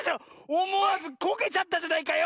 おもわずこけちゃったじゃないかよ！